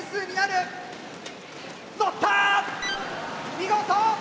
見事！